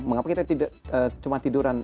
mengapa kita cuma tiduran